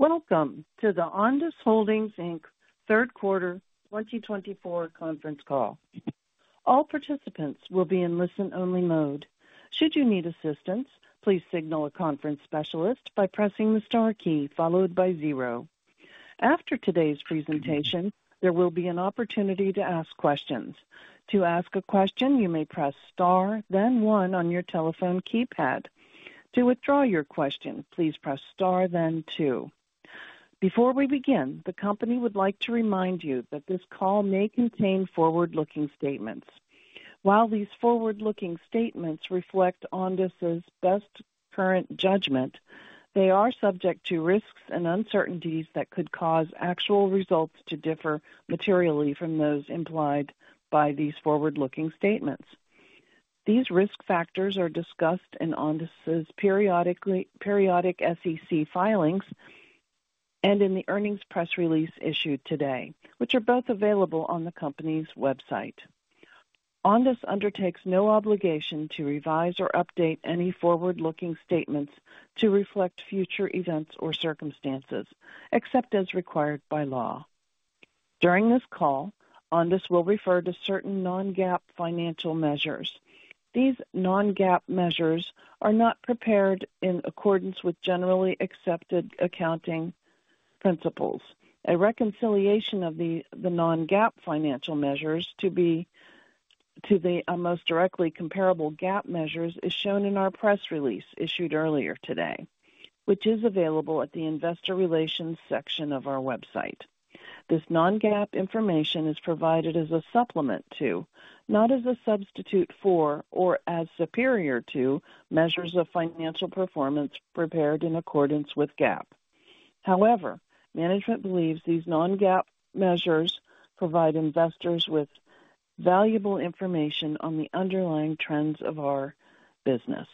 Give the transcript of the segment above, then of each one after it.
Welcome to the Ondas Holdings Inc. Third Quarter 2024 Conference Call. All participants will be in listen-only mode. Should you need assistance, please signal a conference specialist by pressing the star key followed by zero. After today's presentation, there will be an opportunity to ask questions. To ask a question, you may press star, then one on your telephone keypad. To withdraw your question, please press star, then two. Before we begin, the company would like to remind you that this call may contain forward-looking statements. While these forward-looking statements reflect Ondas's best current judgment, they are subject to risks and uncertainties that could cause actual results to differ materially from those implied by these forward-looking statements. These risk factors are discussed in Ondas's periodic SEC filings and in the earnings press release issued today, which are both available on the company's website. Ondas undertakes no obligation to revise or update any forward-looking statements to reflect future events or circumstances, except as required by law. During this call, Ondas will refer to certain non-GAAP financial measures. These non-GAAP measures are not prepared in accordance with generally accepted accounting principles. A reconciliation of the non-GAAP financial measures to the most directly comparable GAAP measures is shown in our press release issued earlier today, which is available at the Investor Relations section of our website. This non-GAAP information is provided as a supplement to, not as a substitute for, or as superior to measures of financial performance prepared in accordance with GAAP. However, management believes these non-GAAP measures provide investors with valuable information on the underlying trends of our business.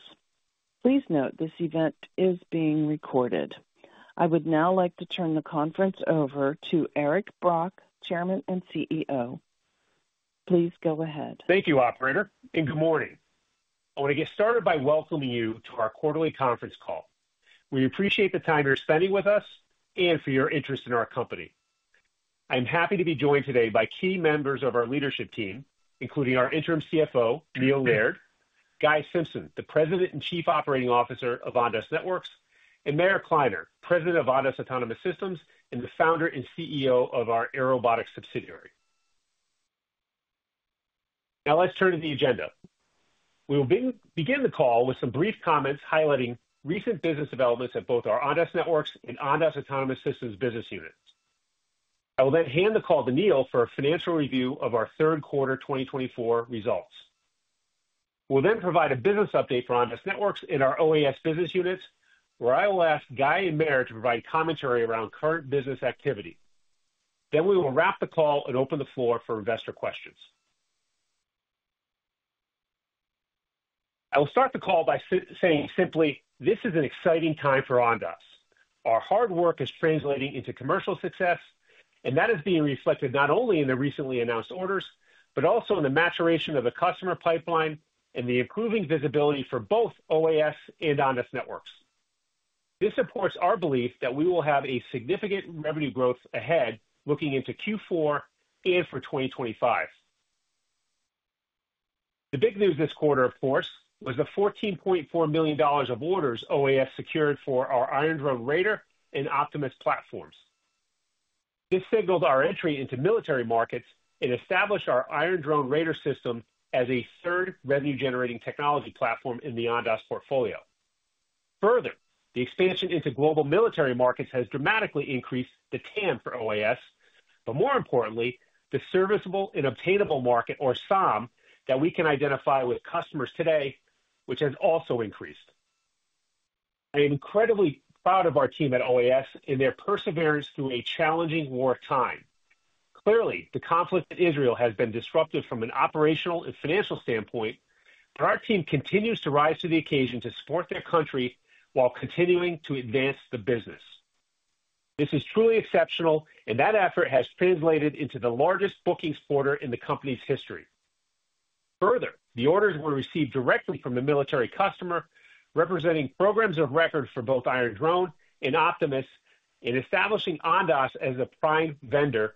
Please note this event is being recorded. I would now like to turn the conference over to Eric Brock, Chairman and CEO. Please go ahead. Thank you, Operator, and good morning. I want to get started by welcoming you to our quarterly conference call. We appreciate the time you're spending with us and for your interest in our company. I'm happy to be joined today by key members of our leadership team, including our interim CFO, Neil Laird, Guy Simpson, the President and Chief Operating Officer of Ondas Networks, and Meir Kliner, President of Ondas Autonomous Systems and the Founder and CEO of our Airobotics subsidiary. Now let's turn to the agenda. We will begin the call with some brief comments highlighting recent business developments at both our Ondas Networks and Ondas Autonomous Systems business units. I will then hand the call to Neil for a financial review of our Third Quarter 2024 results. We'll then provide a business update for Ondas Networks and our OAS business units, where I will ask Guy and Meir to provide commentary around current business activity, then we will wrap the call and open the floor for investor questions. I will start the call by saying simply, this is an exciting time for Ondas. Our hard work is translating into commercial success, and that is being reflected not only in the recently announced orders, but also in the maturation of the customer pipeline and the improving visibility for both OAS and Ondas Networks. This supports our belief that we will have a significant revenue growth ahead looking into Q4 and for 2025. The big news this quarter, of course, was the $14.4 million of orders OAS secured for our Iron Drone Raider and Optimus platforms. This signaled our entry into military markets and established our Iron Drone Raider system as a third revenue-generating technology platform in the Ondas portfolio. Further, the expansion into global military markets has dramatically increased the TAM for OAS, but more importantly, the serviceable and obtainable market, or SOM, that we can identify with customers today, which has also increased. I am incredibly proud of our team at OAS and their perseverance through a challenging wartime. Clearly, the conflict in Israel has been disruptive from an operational and financial standpoint, but our team continues to rise to the occasion to support their country while continuing to advance the business. This is truly exceptional, and that effort has translated into the largest bookings quarter in the company's history. Further, the orders were received directly from a military customer representing programs of record for both Iron Drone and Optimus in establishing Ondas as a prime vendor,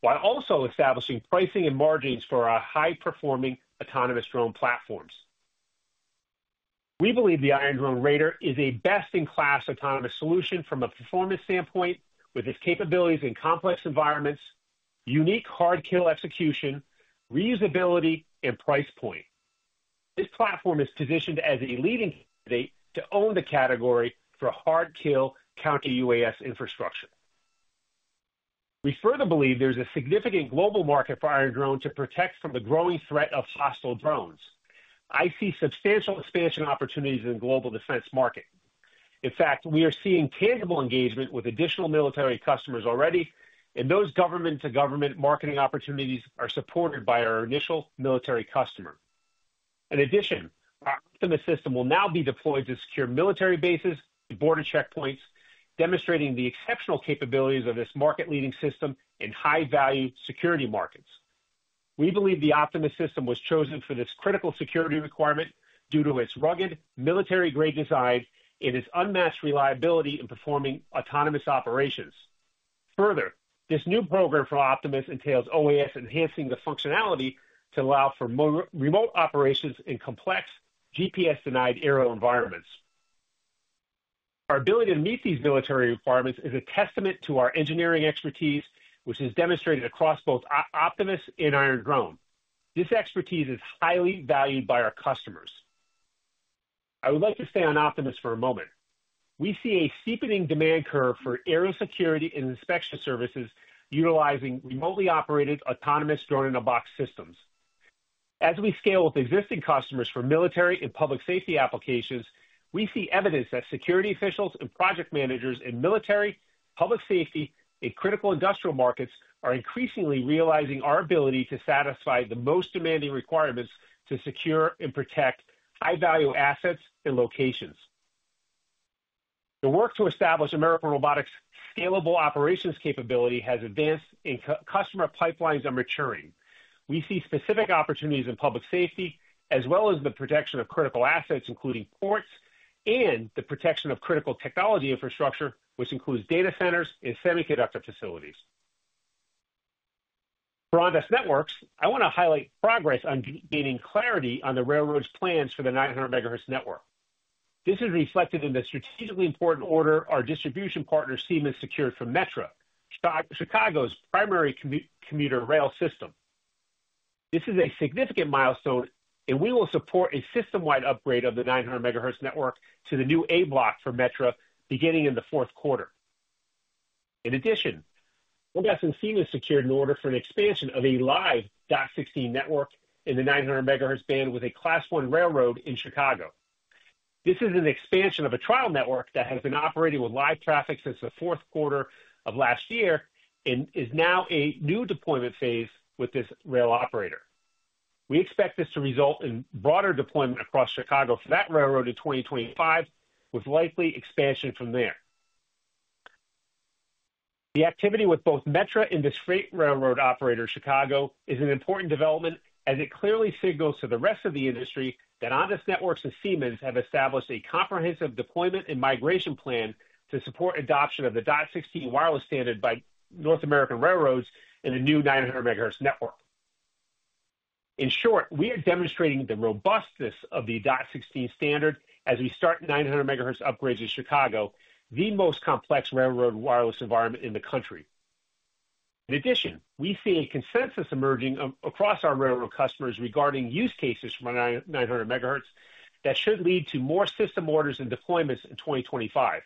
while also establishing pricing and margins for our high-performing autonomous drone platforms. We believe the Iron Drone Raider is a best-in-class autonomous solution from a performance standpoint, with its capabilities in complex environments, unique hard-kill execution, reusability, and price point. This platform is positioned as a leading candidate to own the category for hard-kill counter-UAS infrastructure. We further believe there's a significant global market for Iron Drone to protect from the growing threat of hostile drones. I see substantial expansion opportunities in the global defense market. In fact, we are seeing tangible engagement with additional military customers already, and those government-to-government marketing opportunities are supported by our initial military customer. In addition, our Optimus system will now be deployed to secure military bases and border checkpoints, demonstrating the exceptional capabilities of this market-leading system in high-value security markets. We believe the Optimus system was chosen for this critical security requirement due to its rugged, military-grade design and its unmatched reliability in performing autonomous operations. Further, this new program for Optimus entails OAS enhancing the functionality to allow for remote operations in complex GPS-denied aerial environments. Our ability to meet these military requirements is a testament to our engineering expertise, which is demonstrated across both Optimus and Iron Drone. This expertise is highly valued by our customers. I would like to stay on Optimus for a moment. We see a steepening demand curve for aerial security and inspection services utilizing remotely operated autonomous drone-in-a-box systems. As we scale with existing customers for military and public safety applications, we see evidence that security officials and project managers in military, public safety, and critical industrial markets are increasingly realizing our ability to satisfy the most demanding requirements to secure and protect high-value assets and locations. The work to establish American Robotics' scalable operations capability has advanced, and customer pipelines are maturing. We see specific opportunities in public safety, as well as the protection of critical assets, including ports, and the protection of critical technology infrastructure, which includes data centers and semiconductor facilities. For Ondas Networks, I want to highlight progress on gaining clarity on the railroad's plans for the 900 MHz network. This is reflected in the strategically important order our distribution partner Siemens secured from Metra, Chicago's primary commuter rail system. This is a significant milestone, and we will support a system-wide upgrade of the 900 MHz network to the new A-Block for Metra beginning in the fourth quarter. In addition, Ondas and Siemens secured an order for an expansion of a live dot16 network in the 900 MHz band with a Class I railroad in Chicago. This is an expansion of a trial network that has been operating with live traffic since the fourth quarter of last year and is now a new deployment phase with this rail operator. We expect this to result in broader deployment across Chicago for that railroad in 2025, with likely expansion from there. The activity with both Metra and the freight railroad operator Chicago is an important development, as it clearly signals to the rest of the industry that Ondas Networks and Siemens have established a comprehensive deployment and migration plan to support adoption of the dot16 wireless standard by North American railroads and a new 900 MHz network. In short, we are demonstrating the robustness of the dot16 standard as we start 900 MHz upgrades in Chicago, the most complex railroad wireless environment in the country. In addition, we see a consensus emerging across our railroad customers regarding use cases for 900 MHz that should lead to more system orders and deployments in 2025.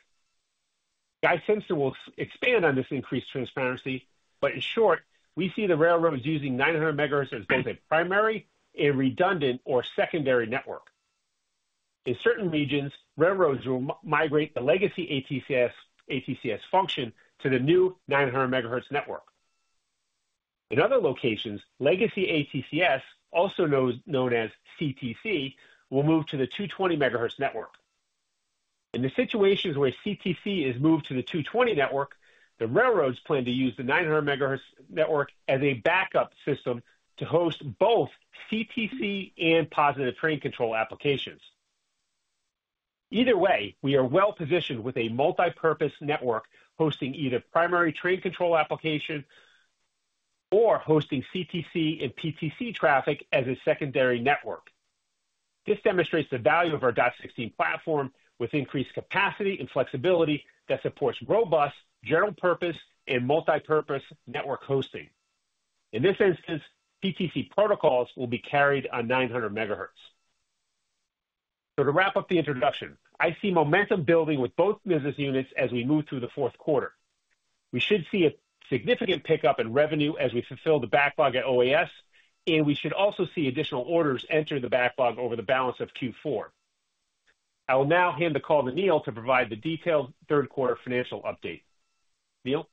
Guy Simpson will expand on this increased transparency, but in short, we see the railroads using 900 MHz as both a primary and redundant or secondary network. In certain regions, railroads will migrate the legacy ATCS function to the new 900 MHz network. In other locations, legacy ATCS, also known as CTC, will move to the 220 MHz network. In the situations where CTC is moved to the 220 network, the railroads plan to use the 900 MHz network as a backup system to host both CTC and positive train control applications. Either way, we are well positioned with a multi-purpose network hosting either primary train control application or hosting CTC and PTC traffic as a secondary network. This demonstrates the value of our dot16 platform with increased capacity and flexibility that supports robust general-purpose and multi-purpose network hosting. In this instance, PTC protocols will be carried on 900 MHz. So to wrap up the introduction, I see momentum building with both business units as we move through the fourth quarter. We should see a significant pickup in revenue as we fulfill the backlog at OAS, and we should also see additional orders enter the backlog over the balance of Q4. I will now hand the call to Neil to provide the detailed third quarter financial update. Neil?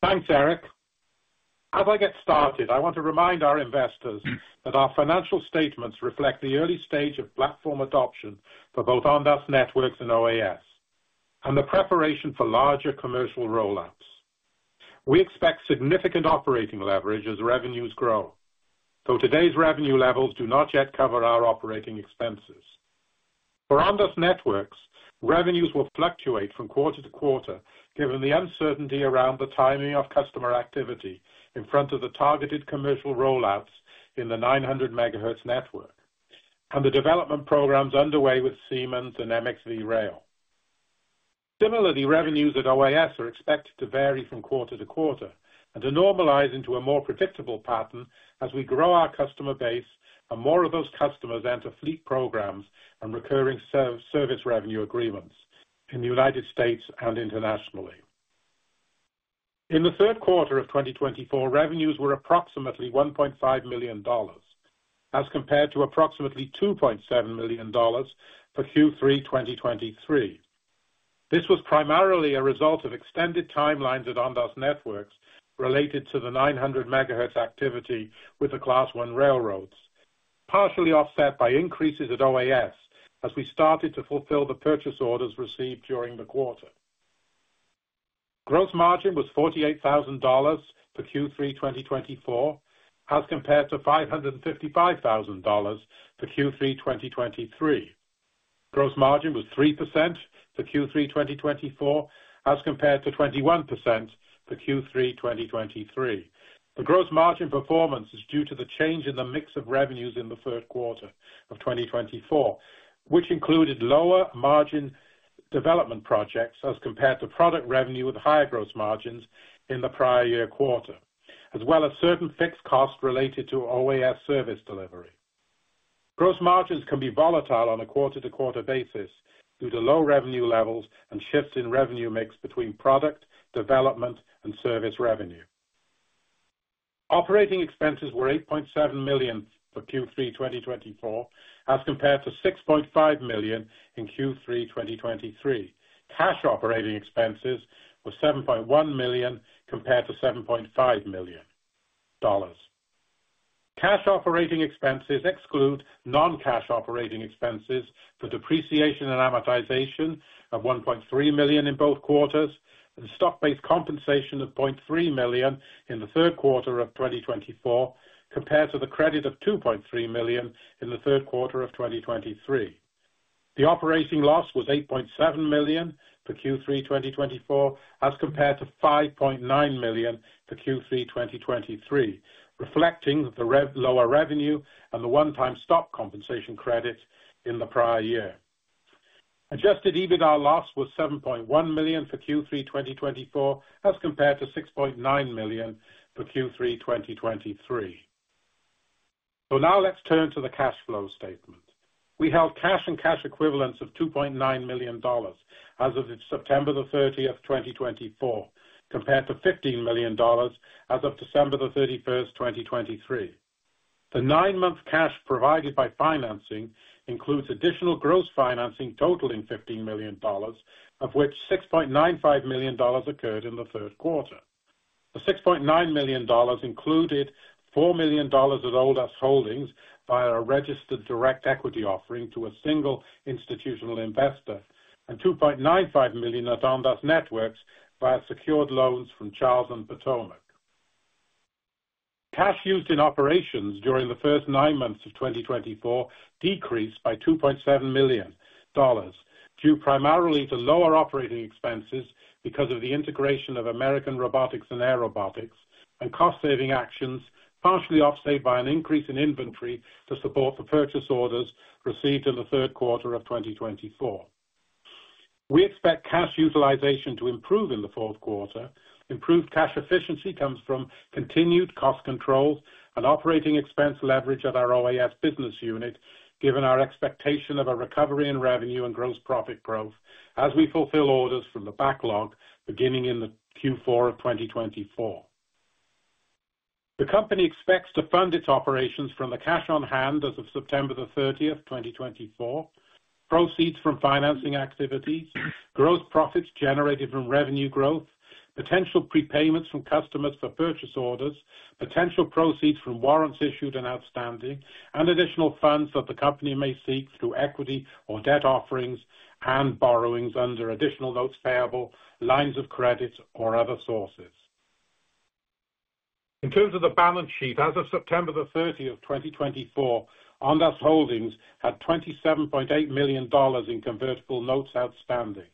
Thanks, Eric. As I get started, I want to remind our investors that our financial statements reflect the early stage of platform adoption for both Ondas Networks and OAS, and the preparation for larger commercial rollouts. We expect significant operating leverage as revenues grow, though today's revenue levels do not yet cover our operating expenses. For Ondas Networks, revenues will fluctuate from quarter to quarter given the uncertainty around the timing of customer activity in front of the targeted commercial rollouts in the 900 MHz network and the development programs underway with Siemens and MxV Rail. Similarly, revenues at OAS are expected to vary from quarter to quarter and to normalize into a more predictable pattern as we grow our customer base and more of those customers enter fleet programs and recurring service revenue agreements in the United States and internationally. In the third quarter of 2024, revenues were approximately $1.5 million as compared to approximately $2.7 million for Q3 2023. This was primarily a result of extended timelines at Ondas Networks related to the 900 MHz activity with the Class 1 railroads, partially offset by increases at OAS as we started to fulfill the purchase orders received during the quarter. Gross margin was $48,000 for Q3 2024 as compared to $555,000 for Q3 2023. Gross margin was 3% for Q3 2024 as compared to 21% for Q3 2023. The gross margin performance is due to the change in the mix of revenues in the third quarter of 2024, which included lower margin development projects as compared to product revenue with higher gross margins in the prior year quarter, as well as certain fixed costs related to OAS service delivery. Gross margins can be volatile on a quarter-to-quarter basis due to low revenue levels and shifts in revenue mix between product, development, and service revenue. Operating expenses were $8.7 million for Q3 2024 as compared to $6.5 million in Q3 2023. Cash operating expenses were $7.1 million compared to $7.5 million. Cash operating expenses exclude non-cash operating expenses for depreciation and amortization of $1.3 million in both quarters and stock-based compensation of $0.3 million in the third quarter of 2024 compared to the credit of $2.3 million in the third quarter of 2023. The operating loss was $8.7 million for Q3 2024 as compared to $5.9 million for Q3 2023, reflecting the lower revenue and the one-time stock compensation credits in the prior year. Adjusted EBITDA loss was $7.1 million for Q3 2024 as compared to $6.9 million for Q3 2023. So now let's turn to the cash flow statement. We held cash and cash equivalents of $2.9 million as of September 30, 2024, compared to $15 million as of December 31, 2023. The nine-month cash provided by financing includes additional gross financing totaling $15 million, of which $6.95 million occurred in the third quarter. The $6.9 million included $4 million at Ondas Holdings via a registered direct equity offering to a single institutional investor, and $2.95 million at Ondas Networks via secured loans from Charles & Potomac. Cash used in operations during the first nine months of 2024 decreased by $2.7 million due primarily to lower operating expenses because of the integration of American Robotics and Airobotics and cost-saving actions partially offset by an increase in inventory to support the purchase orders received in the third quarter of 2024. We expect cash utilization to improve in the fourth quarter. Improved cash efficiency comes from continued cost controls and operating expense leverage at our OAS business unit, given our expectation of a recovery in revenue and gross profit growth as we fulfill orders from the backlog beginning in the Q4 of 2024. The company expects to fund its operations from the cash on hand as of September 30, 2024, proceeds from financing activities, gross profits generated from revenue growth, potential prepayments from customers for purchase orders, potential proceeds from warrants issued and outstanding, and additional funds that the company may seek through equity or debt offerings and borrowings under additional notes payable, lines of credit, or other sources. In terms of the balance sheet, as of September 30, 2024, Ondas Holdings had $27.8 million in convertible notes outstanding,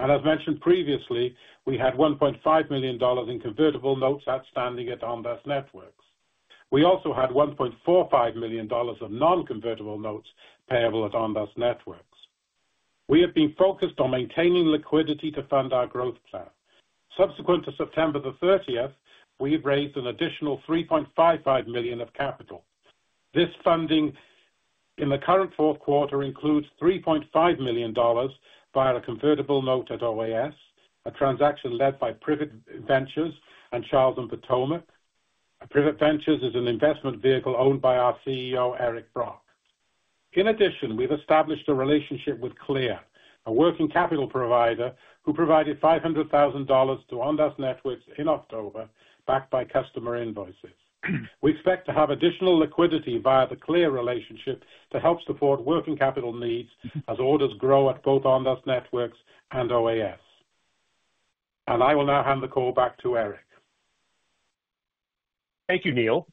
and as mentioned previously, we had $1.5 million in convertible notes outstanding at Ondas Networks. We also had $1.45 million of non-convertible notes payable at Ondas Networks. We have been focused on maintaining liquidity to fund our growth plan. Subsequent to September 30, we have raised an additional $3.55 million of capital. This funding in the current fourth quarter includes $3.5 million via a convertible note at OAS, a transaction led by Privet Ventures and Charles & Potomac. Privet Ventures is an investment vehicle owned by our CEO, Eric Brock. In addition, we've established a relationship with Clear, a working capital provider who provided $500,000 to Ondas Networks in October backed by customer invoices. We expect to have additional liquidity via the Clear relationship to help support working capital needs as orders grow at both Ondas Networks and OAS. And I will now hand the call back to Eric. Thank you, Neil.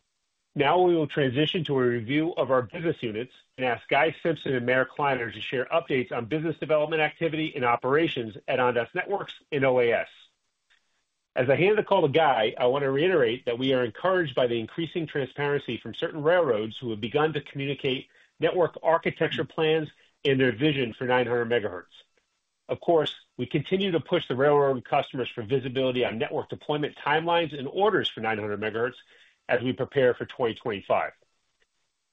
Now we will transition to a review of our business units and ask Guy Simpson and Meir Kliner to share updates on business development activity and operations at Ondas Networks and OAS. As I hand the call to Guy, I want to reiterate that we are encouraged by the increasing transparency from certain railroads who have begun to communicate network architecture plans and their vision for 900 MHz. Of course, we continue to push the railroad customers for visibility on network deployment timelines and orders for 900 MHz as we prepare for 2025.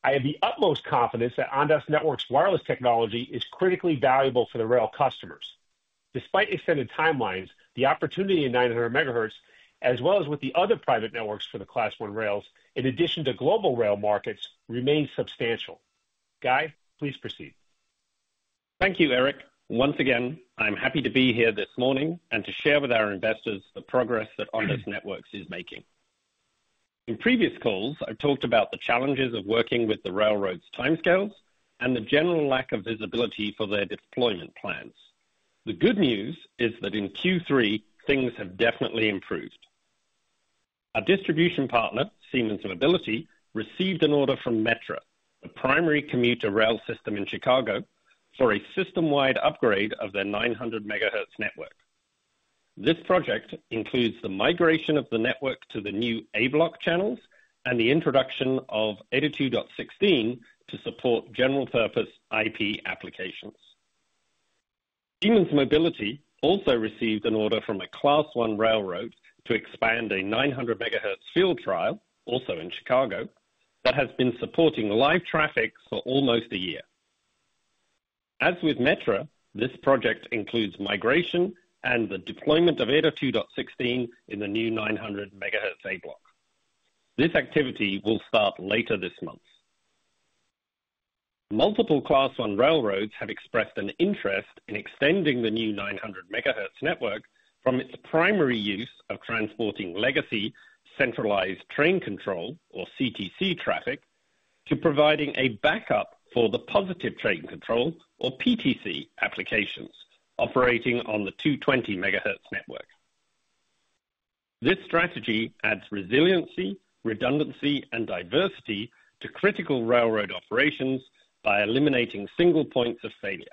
I have the utmost confidence that Ondas Networks' wireless technology is critically valuable for the rail customers. Despite extended timelines, the opportunity in 900 MHz, as well as with the other private networks for the Class 1 rails, in addition to global rail markets, remains substantial. Guy, please proceed. Thank you, Eric. Once again, I'm happy to be here this morning and to share with our investors the progress that Ondas Networks is making. In previous calls, I talked about the challenges of working with the railroads' timescales and the general lack of visibility for their deployment plans. The good news is that in Q3, things have definitely improved. Our distribution partner, Siemens Mobility, received an order from Metra, the primary commuter rail system in Chicago, for a system-wide upgrade of their 900 MHz network. This project includes the migration of the network to the new A-Block channels and the introduction of dot16 to support general-purpose IP applications. Siemens Mobility also received an order from a Class 1 railroad to expand a 900 MHz field trial, also in Chicago, that has been supporting live traffic for almost a year. As with Metra, this project includes migration and the deployment of dot16 in the new 900 MHz A-Block. This activity will start later this month. Multiple Class 1 railroads have expressed an interest in extending the new 900 MHz network from its primary use of transporting legacy centralized train control, or CTC, traffic to providing a backup for the positive train control, or PTC, applications operating on the 220 MHz network. This strategy adds resiliency, redundancy, and diversity to critical railroad operations by eliminating single points of failure.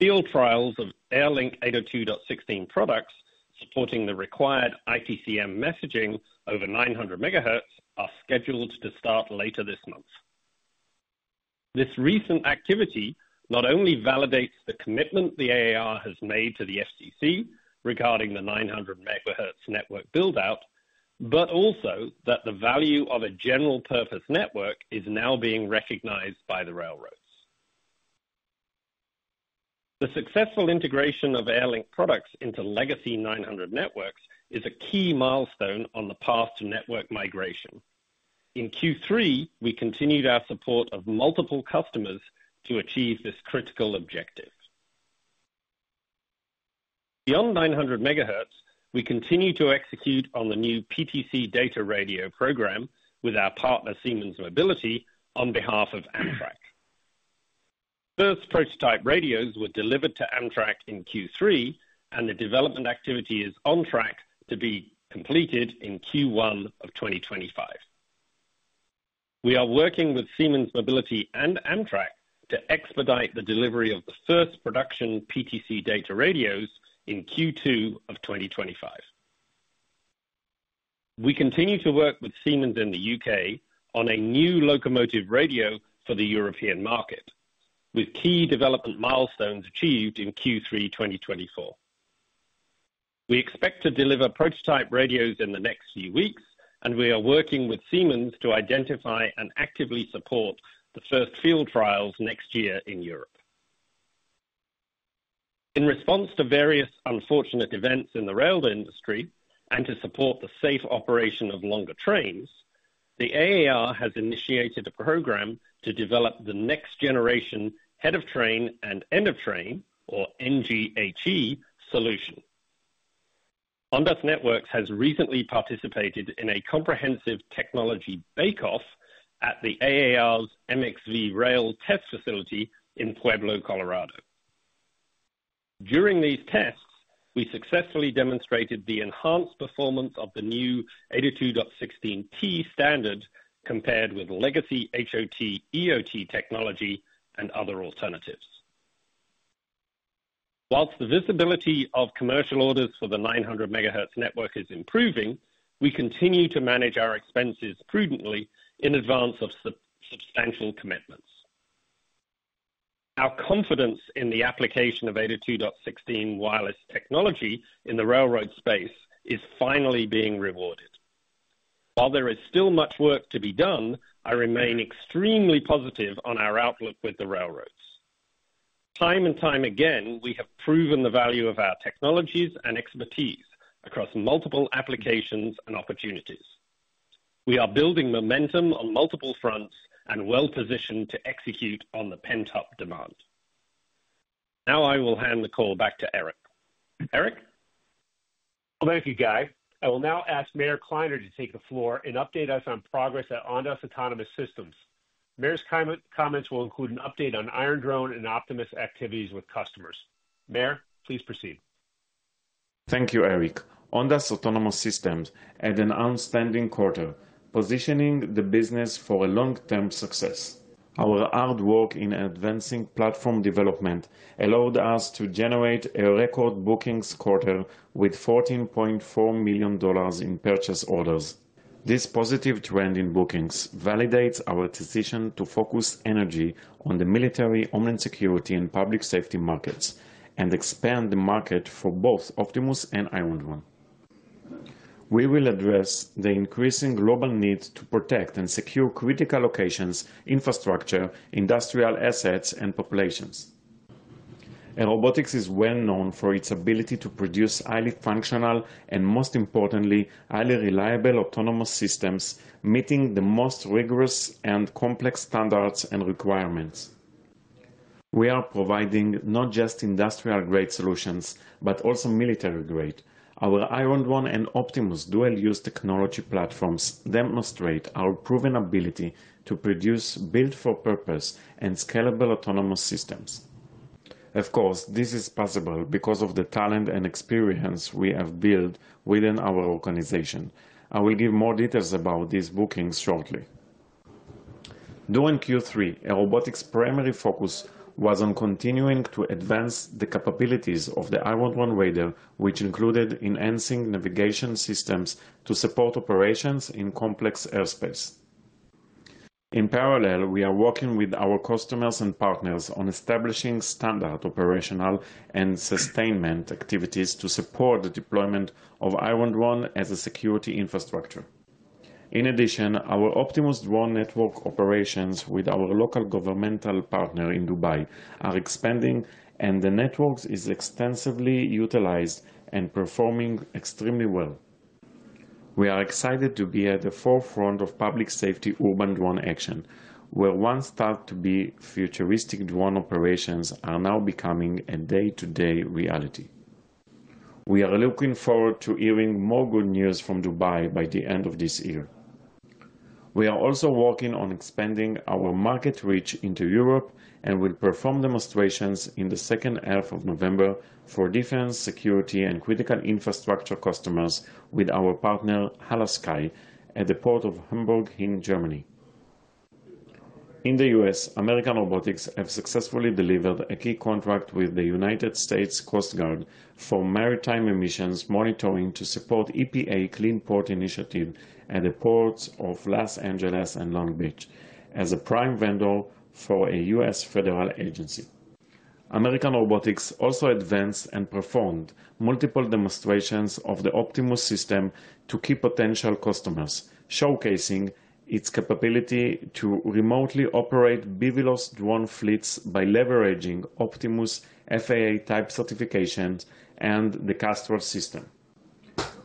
Field trials of AirLink dot16 products supporting the required IPCM messaging over 900 MHz are scheduled to start later this month. This recent activity not only validates the commitment the AAR has made to the FCC regarding the 900 MHz network buildout, but also that the value of a general-purpose network is now being recognized by the railroads. The successful integration of AirLink products into legacy 900 networks is a key milestone on the path to network migration. In Q3, we continued our support of multiple customers to achieve this critical objective. Beyond 900 MHz, we continue to execute on the new PTC data radio program with our partner, Siemens Mobility, on behalf of Amtrak. First prototype radios were delivered to Amtrak in Q3, and the development activity is on track to be completed in Q1 of 2025. We are working with Siemens Mobility and Amtrak to expedite the delivery of the first production PTC data radios in Q2 of 2025. We continue to work with Siemens in the U.K. on a new locomotive radio for the European market, with key development milestones achieved in Q3 2024. We expect to deliver prototype radios in the next few weeks, and we are working with Siemens to identify and actively support the first field trials next year in Europe. In response to various unfortunate events in the rail industry and to support the safe operation of longer trains, the AAR has initiated a program to develop the next-generation head-of-train and end-of-train, or NGHE, solution. Ondas Networks has recently participated in a comprehensive technology bake-off at the AAR's MxV Rail test facility in Pueblo, Colorado. During these tests, we successfully demonstrated the enhanced performance of the new dot16 standard compared with legacy HOT/EOT technology and other alternatives. While the visibility of commercial orders for the 900 MHz network is improving, we continue to manage our expenses prudently in advance of substantial commitments. Our confidence in the application of dot16 wireless technology in the railroad space is finally being rewarded. While there is still much work to be done, I remain extremely positive on our outlook with the railroads. Time and time again, we have proven the value of our technologies and expertise across multiple applications and opportunities. We are building momentum on multiple fronts and well-positioned to execute on the pent-up demand. Now I will hand the call back to Eric. Eric? Thank you, Guy. I will now ask Meir Kliner to take the floor and update us on progress at Ondas Autonomous Systems. Meir's comments will include an update on Iron Drone and Optimus activities with customers. Meir, please proceed. Thank you, Eric. Ondas Autonomous Systems had an outstanding quarter, positioning the business for a long-term success. Our hard work in advancing platform development allowed us to generate a record bookings quarter with $14.4 million in purchase orders. This positive trend in bookings validates our decision to focus energy on the military, homeland security, and public safety markets and expand the market for both Optimus and Iron Drone. We will address the increasing global need to protect and secure critical locations, infrastructure, industrial assets, and populations. Airobotics is well known for its ability to produce highly functional and, most importantly, highly reliable autonomous systems meeting the most rigorous and complex standards and requirements. We are providing not just industrial-grade solutions, but also military-grade. Our Iron Drone and Optimus dual-use technology platforms demonstrate our proven ability to produce built-for-purpose and scalable autonomous systems. Of course, this is possible because of the talent and experience we have built within our organization. I will give more details about these bookings shortly. During Q3, Airobotics' primary focus was on continuing to advance the capabilities of the Iron Drone Raider, which included enhancing navigation systems to support operations in complex airspace. In parallel, we are working with our customers and partners on establishing standard operational and sustainment activities to support the deployment of Iron Drone as a security infrastructure. In addition, our Optimus Drone network operations with our local governmental partner in Dubai are expanding, and the network is extensively utilized and performing extremely well. We are excited to be at the forefront of public safety urban drone action, where once thought to be futuristic drone operations are now becoming a day-to-day reality. We are looking forward to hearing more good news from Dubai by the end of this year. We are also working on expanding our market reach into Europe and will perform demonstrations in the second half of November for defense, security, and critical infrastructure customers with our partner, HHLA Sky, at the port of Hamburg in Germany. In the U.S., American Robotics have successfully delivered a key contract with the United States Coast Guard for maritime emissions monitoring to support EPA Clean Port Initiative at the ports of Los Angeles and Long Beach as a prime vendor for a U.S. federal agency. American Robotics also advanced and performed multiple demonstrations of the Optimus System to key potential customers, showcasing its capability to remotely operate BVLOS drone fleets by leveraging Optimus FAA Type Certifications and the Kestrel System.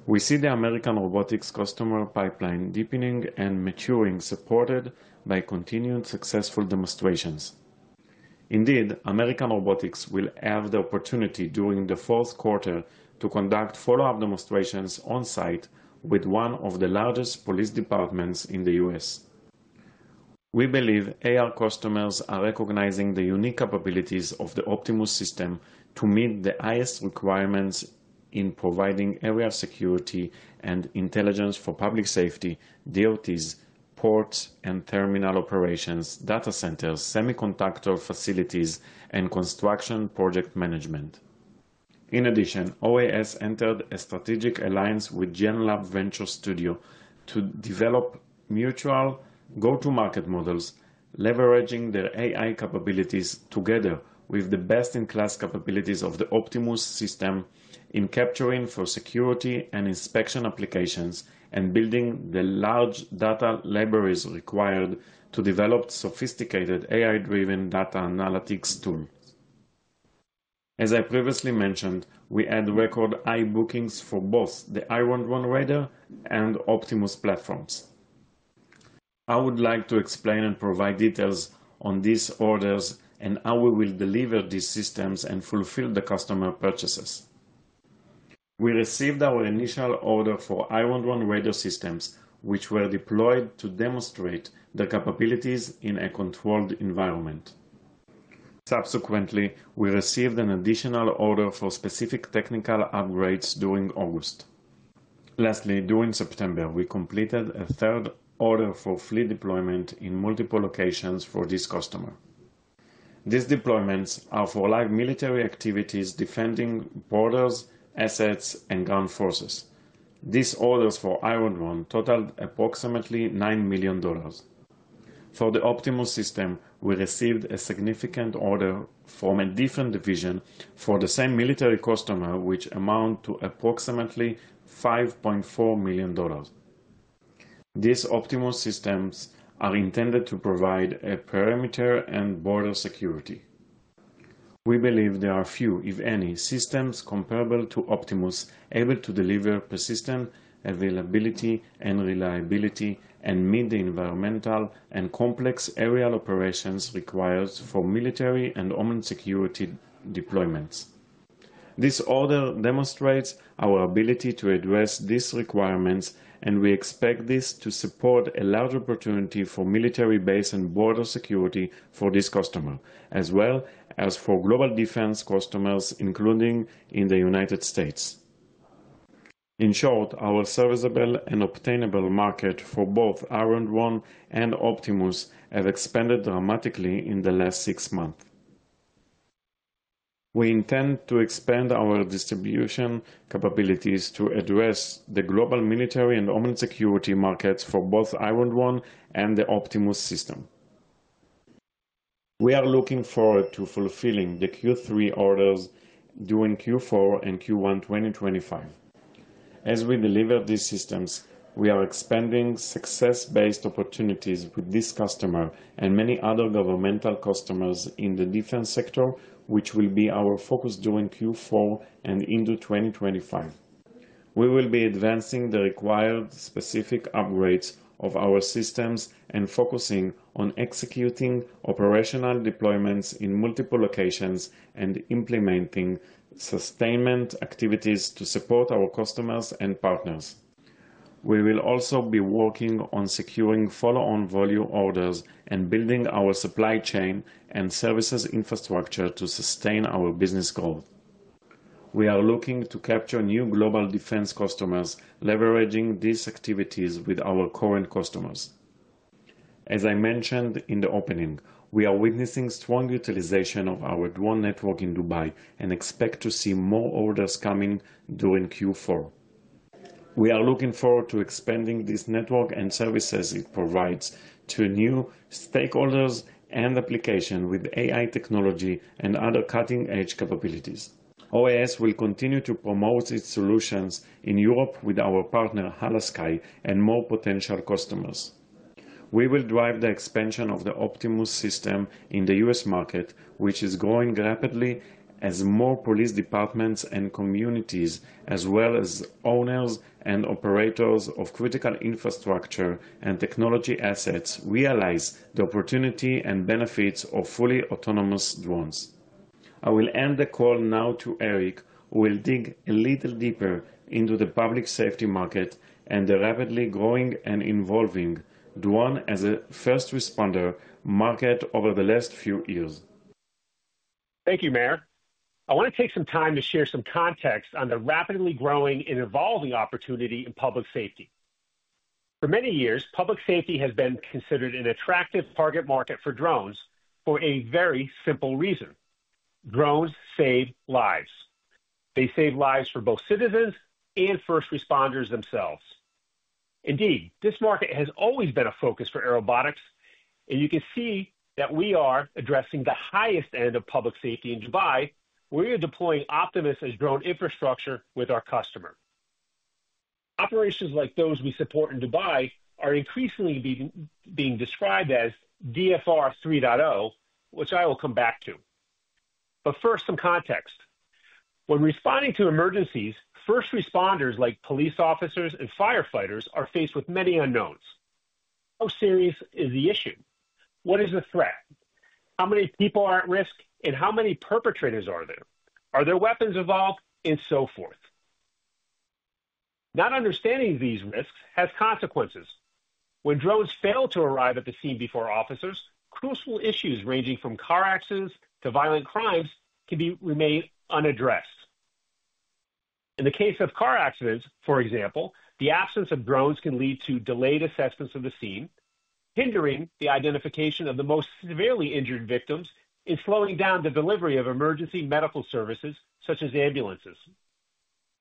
We see the American Robotics customer pipeline deepening and maturing, supported by continued successful demonstrations. Indeed, American Robotics will have the opportunity during the fourth quarter to conduct follow-up demonstrations on site with one of the largest police departments in the U.S. We believe AR customers are recognizing the unique capabilities of the Optimus system to meet the highest requirements in providing area security and intelligence for public safety, DOTs, ports and terminal operations, data centers, semiconductor facilities, and construction project management. In addition, OAS entered a strategic alliance with GenLab Venture Studio to develop mutual go-to-market models, leveraging their AI capabilities together with the best-in-class capabilities of the Optimus system in capturing for security and inspection applications and building the large data libraries required to develop sophisticated AI-driven data analytics tools. As I previously mentioned, we had record high bookings for both the Iron Drone Raiderr and Optimus platforms. I would like to explain and provide details on these orders and how we will deliver these systems and fulfill the customer purchases. We received our initial order for Iron Drone Raider systems, which were deployed to demonstrate their capabilities in a controlled environment. Subsequently, we received an additional order for specific technical upgrades during August. Lastly, during September, we completed a third order for fleet deployment in multiple locations for this customer. These deployments are for live military activities defending borders, assets, and ground forces. These orders for Iron Drone totaled approximately $9 million. For the Optimus System, we received a significant order from a different division for the same military customer, which amounted to approximately $5.4 million. These Optimus systems are intended to provide a perimeter and border security. We believe there are few, if any, systems comparable to Optimus able to deliver persistent availability and reliability and meet the environmental and complex aerial operations required for military and homeland security deployments. This order demonstrates our ability to address these requirements, and we expect this to support a larger opportunity for military base and border security for this customer, as well as for global defense customers, including in the United States. In short, our serviceable and obtainable market for both Iron Drone and Optimus has expanded dramatically in the last six months. We intend to expand our distribution capabilities to address the global military and homeland security markets for both Iron Drone and the Optimus system. We are looking forward to fulfilling the Q3 orders during Q4 and Q1 2025. As we deliver these systems, we are expanding success-based opportunities with this customer and many other governmental customers in the defense sector, which will be our focus during Q4 and into 2025. We will be advancing the required specific upgrades of our systems and focusing on executing operational deployments in multiple locations and implementing sustainment activities to support our customers and partners. We will also be working on securing follow-on volume orders and building our supply chain and services infrastructure to sustain our business goals. We are looking to capture new global defense customers leveraging these activities with our current customers. As I mentioned in the opening, we are witnessing strong utilization of our drone network in Dubai and expect to see more orders coming during Q4. We are looking forward to expanding this network and services it provides to new stakeholders and applications with AI technology and other cutting-edge capabilities. OAS will continue to promote its solutions in Europe with our partner, HHLA Sky, and more potential customers. We will drive the expansion of the Optimus system in the US market, which is growing rapidly as more police departments and communities, as well as owners and operators of critical infrastructure and technology assets, realize the opportunity and benefits of fully autonomous drones. I will end the call now to Eric, who will dig a little deeper into the public safety market and the rapidly growing and evolving drone as a first responder market over the last few years. Thank you, Meir. I want to take some time to share some context on the rapidly growing and evolving opportunity in public safety. For many years, public safety has been considered an attractive target market for drones for a very simple reason: drones save lives. They save lives for both citizens and first responders themselves. Indeed, this market has always been a focus for Airobotics, and you can see that we are addressing the highest end of public safety in Dubai where we are deploying Optimus as drone infrastructure with our customer. Operations like those we support in Dubai are increasingly being described as DFR 3.0, which I will come back to. But first, some context. When responding to emergencies, first responders like police officers and firefighters are faced with many unknowns. How serious is the issue? What is the threat? How many people are at risk, and how many perpetrators are there? Are there weapons involved, and so forth? Not understanding these risks has consequences. When drones fail to arrive at the scene before officers, crucial issues ranging from car accidents to violent crimes can remain unaddressed. In the case of car accidents, for example, the absence of drones can lead to delayed assessments of the scene, hindering the identification of the most severely injured victims and slowing down the delivery of emergency medical services such as ambulances.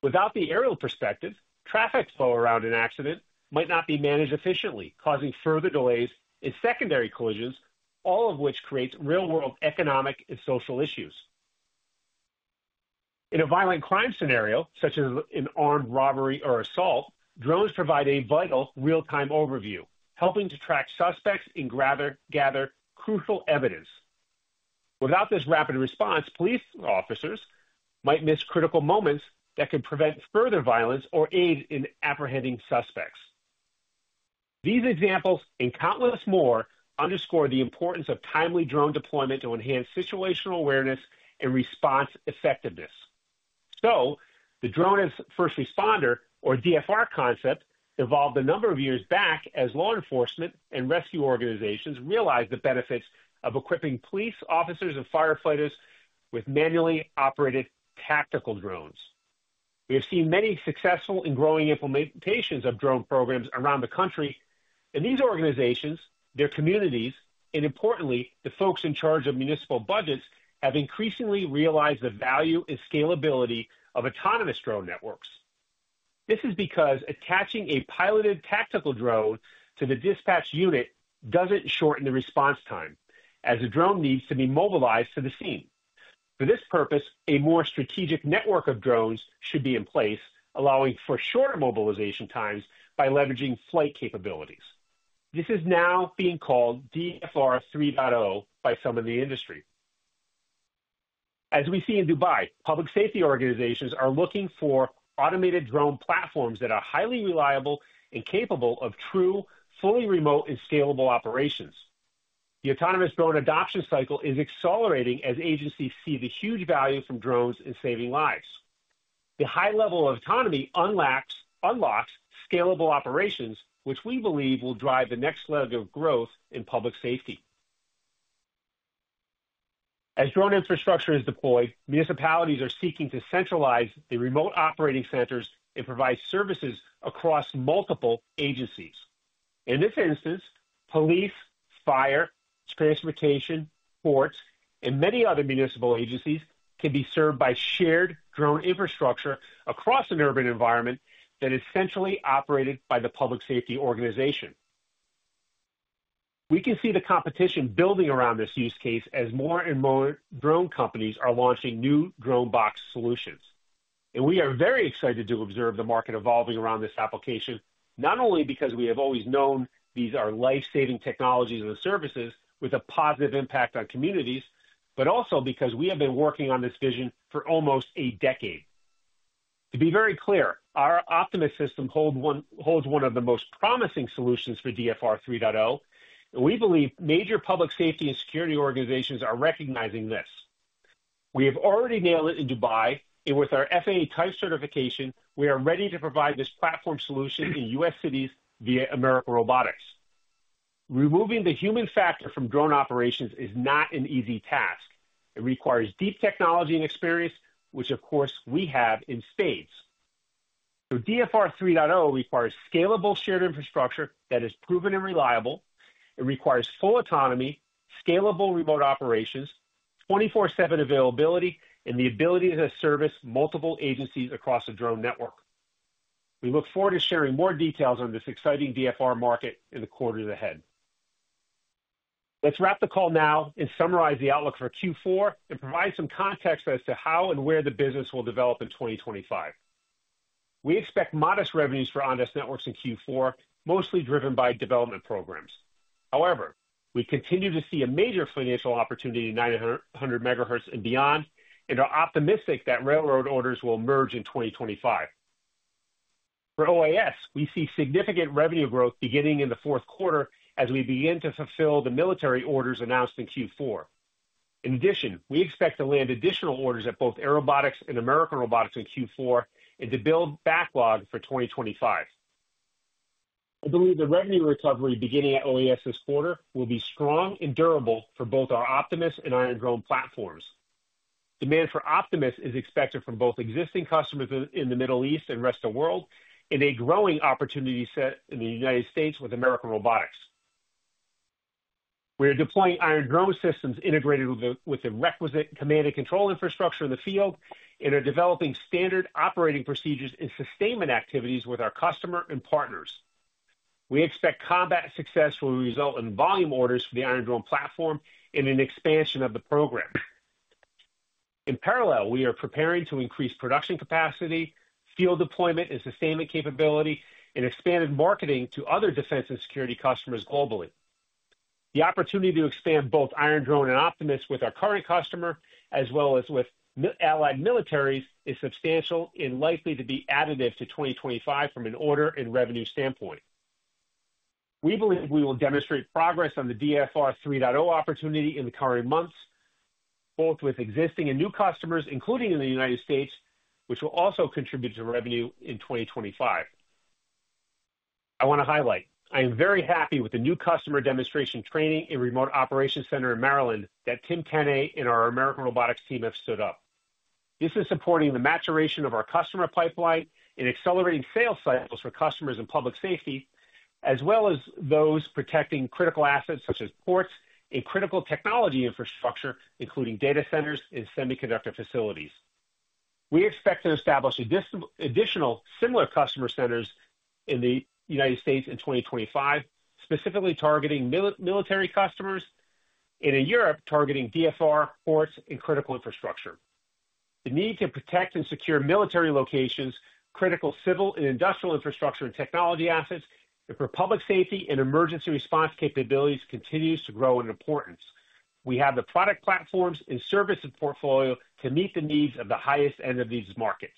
Without the aerial perspective, traffic flow around an accident might not be managed efficiently, causing further delays and secondary collisions, all of which create real-world economic and social issues. In a violent crime scenario, such as an armed robbery or assault, drones provide a vital real-time overview, helping to track suspects and gather crucial evidence. Without this rapid response, police officers might miss critical moments that could prevent further violence or aid in apprehending suspects. These examples and countless more underscore the importance of timely drone deployment to enhance situational awareness and response effectiveness, so the drone as first responder, or DFR concept, evolved a number of years back as law enforcement and rescue organizations realized the benefits of equipping police officers and firefighters with manually operated tactical drones. We have seen many successful and growing implementations of drone programs around the country, and these organizations, their communities, and importantly, the folks in charge of municipal budgets have increasingly realized the value and scalability of autonomous drone networks. This is because attaching a piloted tactical drone to the dispatch unit doesn't shorten the response time, as the drone needs to be mobilized to the scene. For this purpose, a more strategic network of drones should be in place, allowing for shorter mobilization times by leveraging flight capabilities. This is now being called DFR 3.0 by some in the industry. As we see in Dubai, public safety organizations are looking for automated drone platforms that are highly reliable and capable of true, fully remote, and scalable operations. The autonomous drone adoption cycle is accelerating as agencies see the huge value from drones in saving lives. The high level of autonomy unlocks scalable operations, which we believe will drive the next leg of growth in public safety. As drone infrastructure is deployed, municipalities are seeking to centralize the remote operating centers and provide services across multiple agencies. In this instance, police, fire, transportation, ports, and many other municipal agencies can be served by shared drone infrastructure across an urban environment that is centrally operated by the public safety organization. We can see the competition building around this use case as more and more drone companies are launching new drone box solutions. We are very excited to observe the market evolving around this application, not only because we have always known these are life-saving technologies and services with a positive impact on communities, but also because we have been working on this vision for almost a decade. To be very clear, our Optimus System holds one of the most promising solutions for DFR 3.0, and we believe major public safety and security organizations are recognizing this. We have already nailed it in Dubai, and with our FAA Type certification, we are ready to provide this platform solution in U.S. cities via American Robotics. Removing the human factor from drone operations is not an easy task. It requires deep technology and experience, which of course we have in spades, so DFR 3.0 requires scalable shared infrastructure that is proven and reliable. It requires full autonomy, scalable remote operations, 24/7 availability, and the ability to service multiple agencies across a drone network. We look forward to sharing more details on this exciting DFR market in the quarters ahead. Let's wrap the call now and summarize the outlook for Q4 and provide some context as to how and where the business will develop in 2025. We expect modest revenues for Ondas Networks in Q4, mostly driven by development programs. However, we continue to see a major financial opportunity in 900 megahertz and beyond, and are optimistic that railroad orders will emerge in 2025. For OAS, we see significant revenue growth beginning in the fourth quarter as we begin to fulfill the military orders announced in Q4. In addition, we expect to land additional orders at both Airobotics and American Robotics in Q4 and to build backlog for 2025. I believe the revenue recovery beginning at OAS this quarter will be strong and durable for both our Optimus and Iron Drone platforms. Demand for Optimus is expected from both existing customers in the Middle East and rest of the world, and a growing opportunity set in the United States with American Robotics. We are deploying Iron Drone systems integrated with the requisite command and control infrastructure in the field and are developing standard operating procedures and sustainment activities with our customer and partners. We expect combat success will result in volume orders for the Iron Drone platform and an expansion of the program. In parallel, we are preparing to increase production capacity, field deployment, and sustainment capability, and expanded marketing to other defense and security customers globally. The opportunity to expand both Iron Drone and Optimus with our current customer, as well as with allied militaries, is substantial and likely to be additive to 2025 from an order and revenue standpoint. We believe we will demonstrate progress on the DFR 3.0 opportunity in the coming months, both with existing and new customers, including in the United States, which will also contribute to revenue in 2025. I want to highlight I am very happy with the new customer demonstration training in Remote Operations Center in Maryland that Tim Tenne and our American Robotics team have stood up. This is supporting the maturation of our customer pipeline and accelerating sales cycles for customers and public safety, as well as those protecting critical assets such as ports and critical technology infrastructure, including data centers and semiconductor facilities. We expect to establish additional similar customer centers in the United States in 2025, specifically targeting military customers and in Europe, targeting DFR ports and critical infrastructure. The need to protect and secure military locations, critical civil and industrial infrastructure and technology assets, and for public safety and emergency response capabilities continues to grow in importance. We have the product platforms and service portfolio to meet the needs of the highest end of these markets.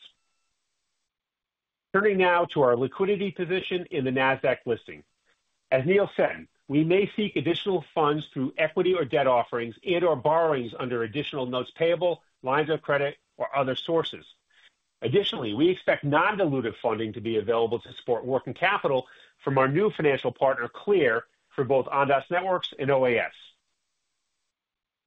Turning now to our liquidity position in the Nasdaq listing. As Neil said, we may seek additional funds through equity or debt offerings and/or borrowings under additional notes payable, lines of credit, or other sources. Additionally, we expect non-dilutive funding to be available to support working capital from our new financial partner, Clear, for both Ondas Networks and OAS.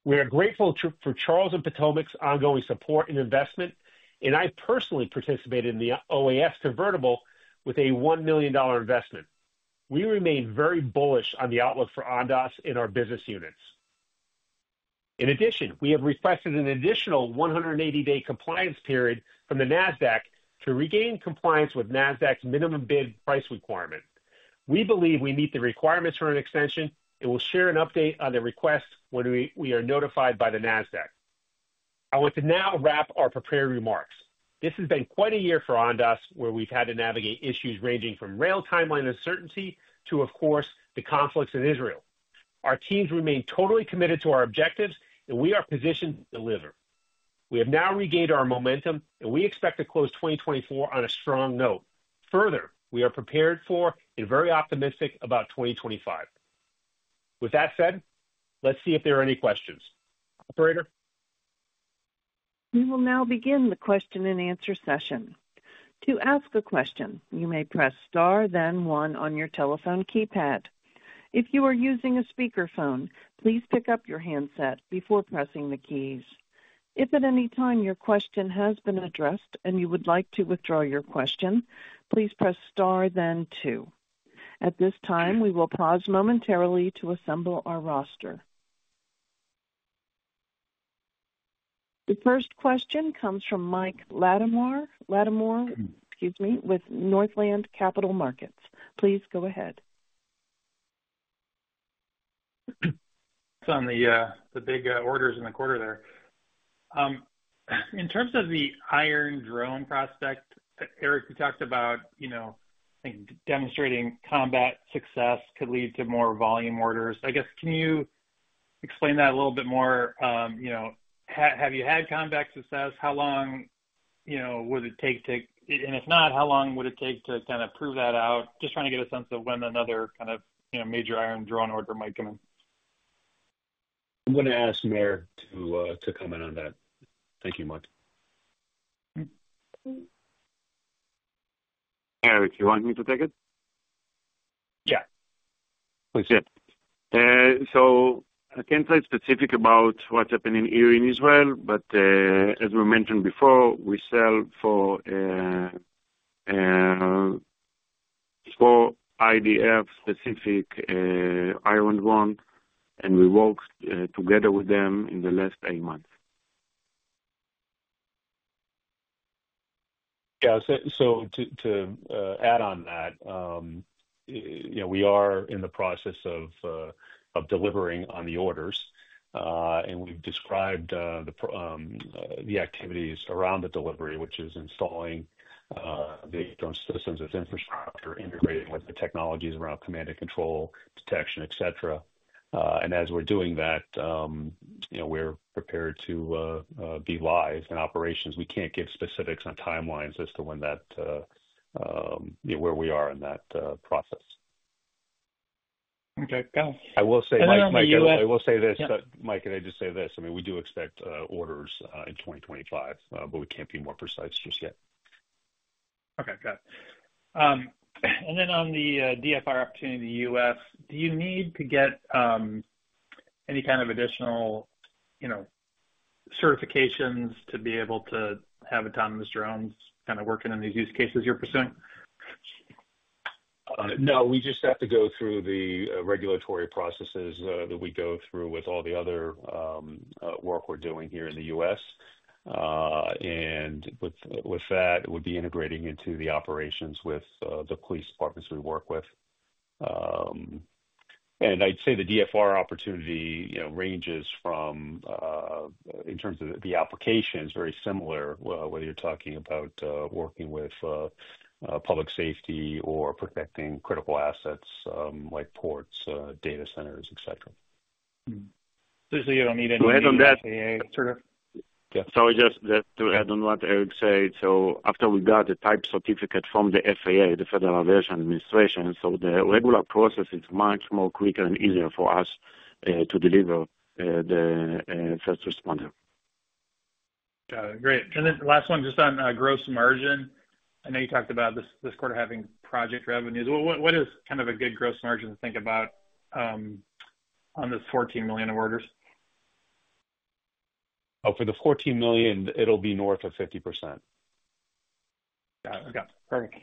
We are grateful for Charles & Potomac's ongoing support and investment, and I personally participated in the OAS convertible with a $1 million investment. We remain very bullish on the outlook for Ondas and our business units. In addition, we have requested an additional 180-day compliance period from the Nasdaq to regain compliance with Nasdaq's minimum bid price requirement. We believe we meet the requirements for an extension and will share an update on the request when we are notified by the Nasdaq. I want to now wrap our prepared remarks. This has been quite a year for Ondas, where we've had to navigate issues ranging from rail timeline uncertainty to, of course, the conflicts in Israel. Our teams remain totally committed to our objectives, and we are positioned to deliver. We have now regained our momentum, and we expect to close 2024 on a strong note. Further, we are prepared for and very optimistic about 2025. With that said, let's see if there are any questions. Operator. We will now begin the question and answer session. To ask a question, you may press star, then one on your telephone keypad. If you are using a speakerphone, please pick up your handset before pressing the keys. If at any time your question has been addressed and you would like to withdraw your question, please press star, then two. At this time, we will pause momentarily to assemble our roster. The first question comes from Mike Latimore, excuse me, with Northland Capital Markets. Please go ahead. On the big orders in the quarter there. In terms of the Iron Drone prospect, Eric, you talked about demonstrating combat success could lead to more volume orders. I guess, can you explain that a little bit more? Have you had combat success? How long would it take to, and if not, how long would it take to kind of prove that out? Just trying to get a sense of when another kind of major Iron Drone order might come in. I'm going to ask Meir to comment on that. Thank you, Mike. Eric, you want me to take it? Yeah. Please do. I can't say specifics about what's happening here in Israel, but as we mentioned before, we sell the IDF-specific Iron Drone, and we worked together with them in the last eight months. Yeah. So to add on that, we are in the process of delivering on the orders, and we've described the activities around the delivery, which is installing the drone systems as infrastructure, integrating with the technologies around command and control detection, etc., and as we're doing that, we're prepared to be live in operations. We can't give specifics on timelines as to when that, where we are in that process. Okay. Go ahead. I will say, Mike, I will say this, Mike, and I just say this. I mean, we do expect orders in 2025, but we can't be more precise just yet. Okay. Got it. And then, on the DFR opportunity in the U.S., do you need to get any kind of additional certifications to be able to have autonomous drones kind of working in these use cases you're pursuing? No, we just have to go through the regulatory processes that we go through with all the other work we're doing here in the U.S. And with that, it would be integrating into the operations with the police departments we work with. And I'd say the DFR opportunity ranges from, in terms of the applications, very similar, whether you're talking about working with public safety or protecting critical assets like ports, data centers, etc. So you don't need any. Go ahead on that. Sort of. Yeah. So, I just to add on what Eric said. So after we got the type certificate from the FAA, the Federal Aviation Administration, so the regular process is much more quicker and easier for us to deliver the first responder. Got it. Great. And then the last one, just on gross margin. I know you talked about this quarter having project revenues. What is kind of a good gross margin to think about on the 14 million orders? Oh, for the 14 million, it'll be north of 50%. Got it. Okay. Perfect.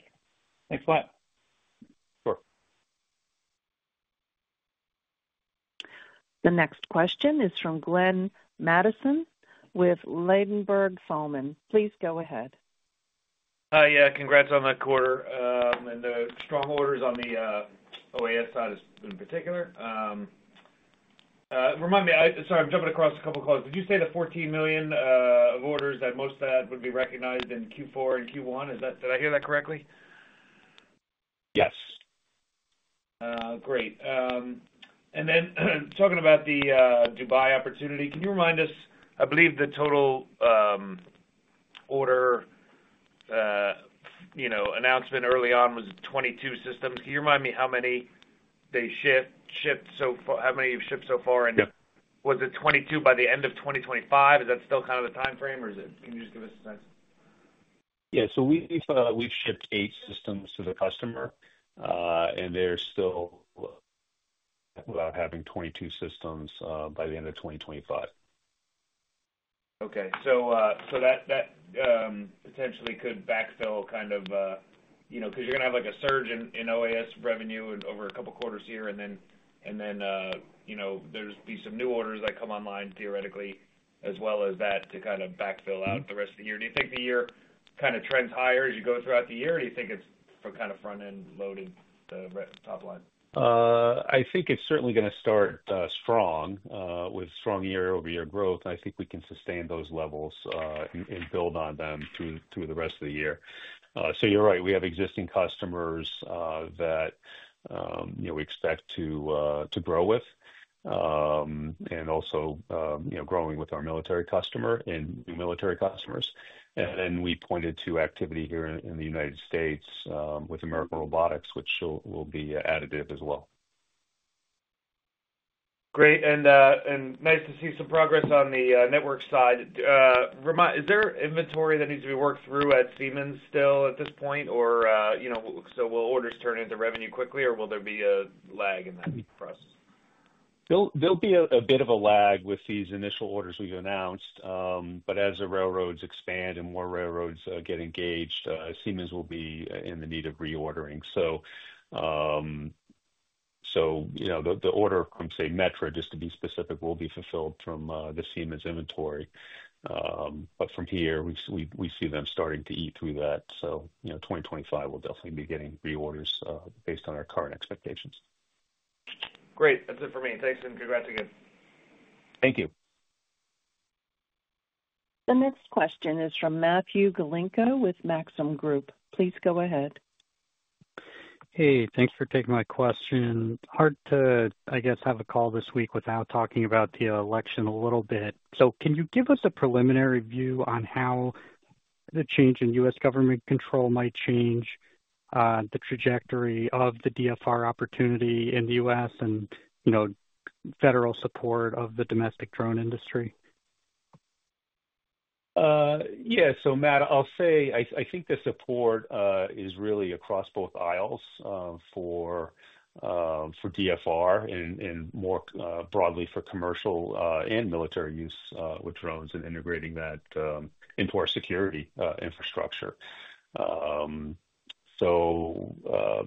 Thanks a lot. Sure. The next question is from Glenn Mattson with Ladenburg Thalmann. Please go ahead. Hi. Yeah. Congrats on that quarter. And the strong orders on the OAS side in particular. Remind me, sorry, I'm jumping across a couple of calls. Did you say the $14 million of orders that most of that would be recognized in Q4 and Q1? Did I hear that correctly? Yes. Great. And then talking about the Dubai opportunity, can you remind us? I believe the total order announcement early on was 22 systems. Can you remind me how many they shipped so far? How many you've shipped so far? And was it 22 by the end of 2025? Is that still kind of the timeframe, or can you just give us a sense? Yeah. So we've shipped eight systems to the customer, and they're still having 22 systems by the end of 2025. Okay. So that potentially could backfill kind of because you're going to have a surge in OAS revenue over a couple of quarters here, and then there'll be some new orders that come online, theoretically, as well as that to kind of backfill out the rest of the year. Do you think the year kind of trends higher as you go throughout the year, or do you think it's more kind of front-end loading the top line? I think it's certainly going to start strong with strong year-over-year growth. I think we can sustain those levels and build on them through the rest of the year. So you're right. We have existing customers that we expect to grow with and also growing with our military customer and new military customers. And then we pointed to activity here in the United States with American Robotics, which will be additive as well. Great, and nice to see some progress on the network side. Is there inventory that needs to be worked through at Siemens still at this point, or will orders turn into revenue quickly, or will there be a lag in that process? There'll be a bit of a lag with these initial orders we've announced. But as the railroads expand and more railroads get engaged, Siemens will be in the need of reordering. So the order from, say, Metra, just to be specific, will be fulfilled from the Siemens inventory. But from here, we see them starting to eat through that. So 2025 will definitely be getting reorders based on our current expectations. Great. That's it for me. Thanks, and congrats again. Thank you. The next question is from Matthew Galenko with Maxim Group. Please go ahead. Hey, thanks for taking my question. Hard to, I guess, have a call this week without talking about the election a little bit. So can you give us a preliminary view on how the change in U.S. government control might change the trajectory of the DFR opportunity in the U.S. and federal support of the domestic drone industry? Yeah. So, Matt, I'll say I think the support is really across both aisles for DFR and more broadly for commercial and military use with drones and integrating that into our security infrastructure. So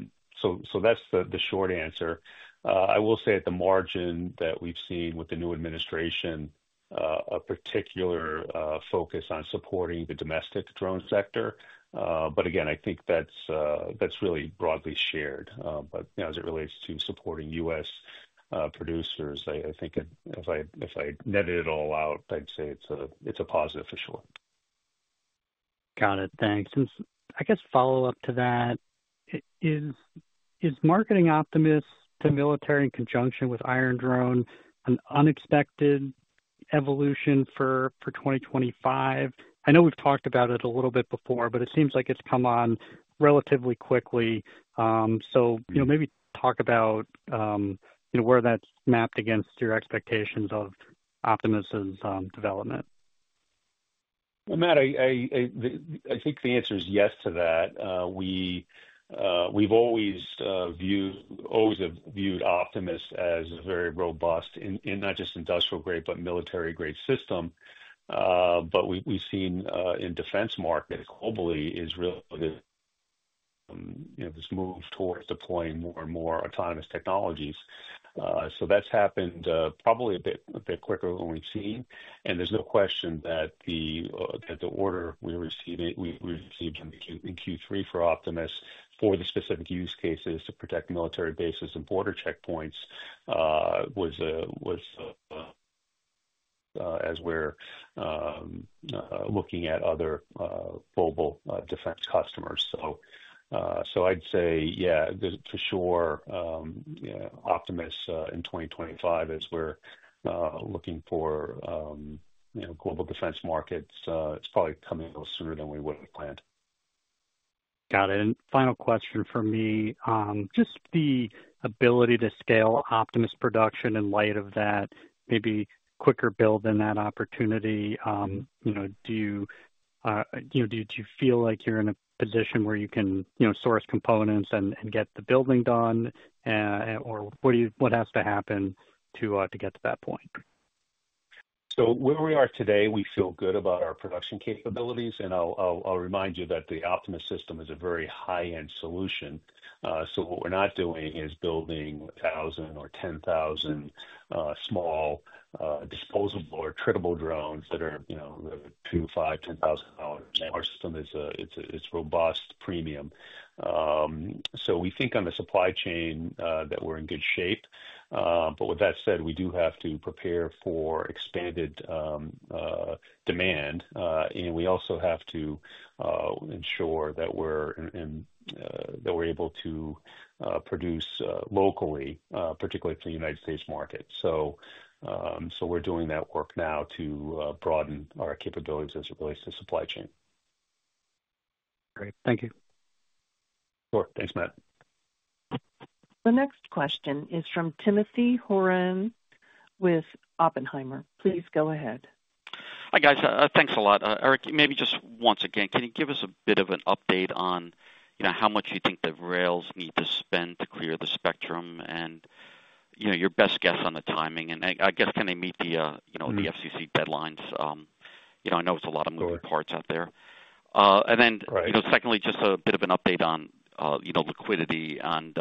that's the short answer. I will say at the margin that we've seen with the new administration, a particular focus on supporting the domestic drone sector. But again, I think that's really broadly shared. But as it relates to supporting U.S. producers, I think if I netted it all out, I'd say it's a positive for sure. Got it. Thanks. I guess follow-up to that, is marketing Optimus to military in conjunction with Iron Drone an unexpected evolution for 2025? I know we've talked about it a little bit before, but it seems like it's come on relatively quickly. So maybe talk about where that's mapped against your expectations of Optimus's development. Well, Matt, I think the answer is yes to that. We've always viewed Optimus as a very robust, not just industrial-grade, but military-grade system. But we've seen in defense markets globally is really this move towards deploying more and more autonomous technologies. So that's happened probably a bit quicker than we've seen. And there's no question that the order we received in Q3 for Optimus for the specific use cases to protect military bases and border checkpoints was as we're looking at other global defense customers. So I'd say, yeah, for sure, Optimus in 2025 is we're looking for global defense markets. It's probably coming a little sooner than we would have planned. Got it. And final question for me, just the ability to scale Optimus production in light of that maybe quicker build-in that opportunity. Do you feel like you're in a position where you can source components and get the building done, or what has to happen to get to that point? So where we are today, we feel good about our production capabilities. And I'll remind you that the Optimus System is a very high-end solution. So what we're not doing is building 1,000 or 10,000 small disposable or treatable drones that are $2,000, $5,000, $10,000. Our system is robust, premium. So we think on the supply chain that we're in good shape. But with that said, we do have to prepare for expanded demand. And we also have to ensure that we're able to produce locally, particularly for the United States market. So we're doing that work now to broaden our capabilities as it relates to supply chain. Great. Thank you. Sure. Thanks, Matt. The next question is from Timothy Horan with Oppenheimer. Please go ahead. Hi, guys. Thanks a lot. Eric, maybe just once again, can you give us a bit of an update on how much you think the rails need to spend to clear the spectrum and your best guess on the timing? And I guess, can they meet the FCC deadlines? I know it's a lot of moving parts out there. And then secondly, just a bit of an update on liquidity and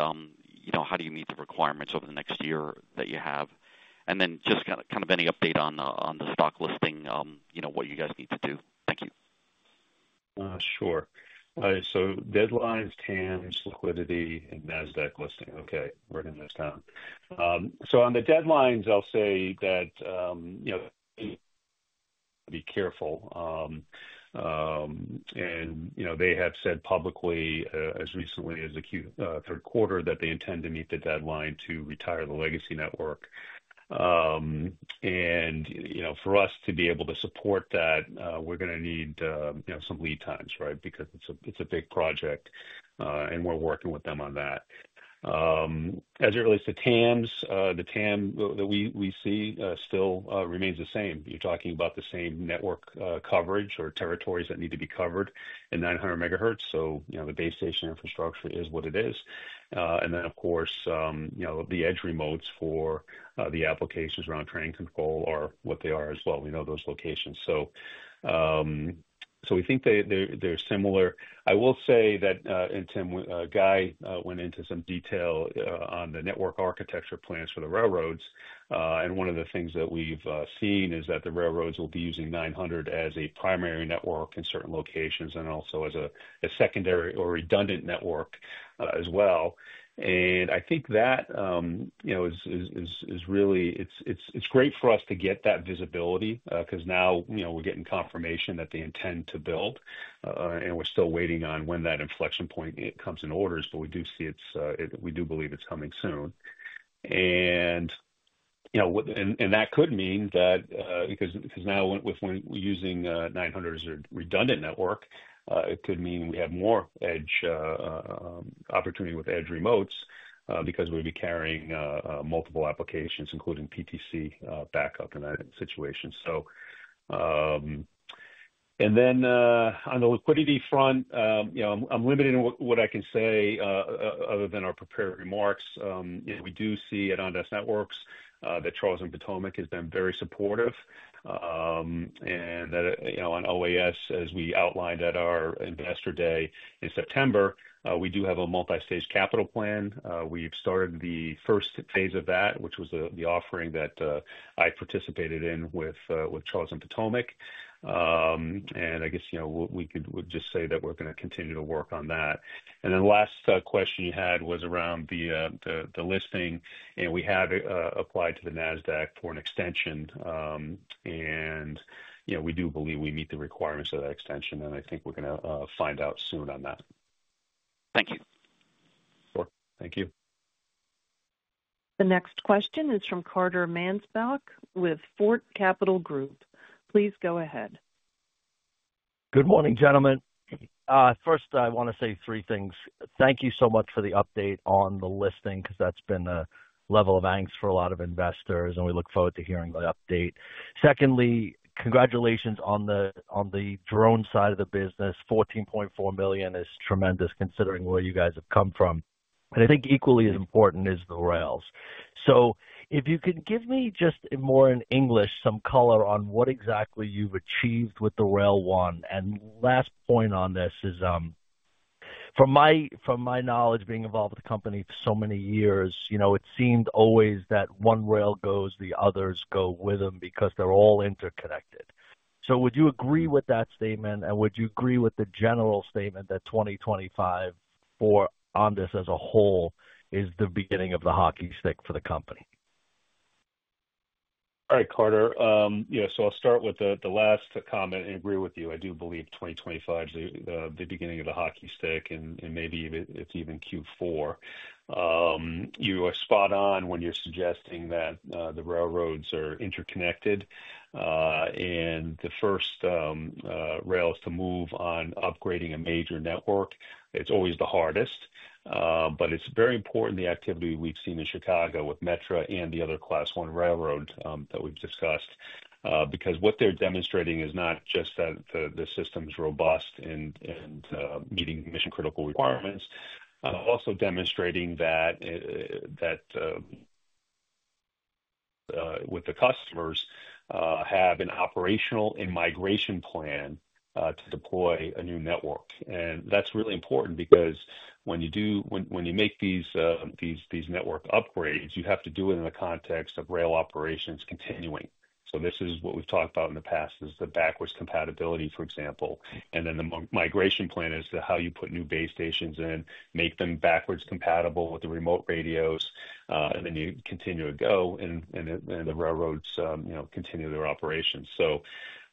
how do you meet the requirements over the next year that you have? And then just kind of any update on the stock listing, what you guys need to do? Thank you. Sure. So deadlines, TAMs, liquidity, and Nasdaq listing. Okay. Writing this down. So on the deadlines, I'll say that be careful. And they have said publicly as recently as the third quarter that they intend to meet the deadline to retire the legacy network. And for us to be able to support that, we're going to need some lead times, right, because it's a big project, and we're working with them on that. As it relates to TAMs, the TAM that we see still remains the same. You're talking about the same network coverage or territories that need to be covered in 900 MHz. So the base station infrastructure is what it is. And then, of course, the edge remotes for the applications around train control are what they are as well. We know those locations. So we think they're similar. I will say that, and Tim, Guy went into some detail on the network architecture plans for the railroads. One of the things that we've seen is that the railroads will be using 900 as a primary network in certain locations and also as a secondary or redundant network as well. I think that is really great for us to get that visibility because now we're getting confirmation that they intend to build. We're still waiting on when that inflection point comes in orders, but we do see it's we do believe it's coming soon. That could mean that because now with using 900 as a redundant network, it could mean we have more edge opportunity with edge remotes because we'd be carrying multiple applications, including PTC backup in that situation. And then on the liquidity front, I'm limited in what I can say other than our prepared remarks. We do see at Ondas Networks that Charles & Potomac has been very supportive. And on OAS, as we outlined at our investor day in September, we do have a multi-stage capital plan. We've started the first phase of that, which was the offering that I participated in with Charles & Potomac. And I guess we could just say that we're going to continue to work on that. And then the last question you had was around the listing. And we have applied to the Nasdaq for an extension. And we do believe we meet the requirements of that extension. And I think we're going to find out soon on that. Thank you. Sure. Thank you. The next question is from Carter Mansbach with Forte Capital Group. Please go ahead. Good morning, gentlemen. First, I want to say three things. Thank you so much for the update on the listing because that's been a level of angst for a lot of investors, and we look forward to hearing the update. Secondly, congratulations on the drone side of the business. $14.4 million is tremendous considering where you guys have come from. And I think equally as important is the rails. So if you could give me just more in English some color on what exactly you've achieved with the rail one. And last point on this is, from my knowledge, being involved with the company for so many years, it seemed always that one rail goes, the others go with them because they're all interconnected. So would you agree with that statement, and would you agree with the general statement that 2025 for Ondas as a whole is the beginning of the hockey stick for the company? All right, Carter. I'll start with the last comment and agree with you. I do believe 2025 is the beginning of the hockey stick, and maybe it's even Q4. You are spot on when you're suggesting that the railroads are interconnected. The first rails to move on upgrading a major network, it's always the hardest. It's very important, the activity we've seen in Chicago with Metra and the other class one railroad that we've discussed, because what they're demonstrating is not just that the system's robust and meeting mission-critical requirements, but also demonstrating that the customers have an operational and migration plan to deploy a new network. That's really important because when you make these network upgrades, you have to do it in the context of rail operations continuing. This is what we've talked about in the past, the backward compatibility, for example. And then the migration plan is how you put new base stations in, make them backward compatible with the remote radios, and then you continue to go, and the railroads continue their operations. So